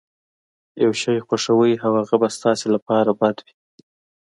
يو شی خوښوئ او هغه به ستاسې لپاره بد وي.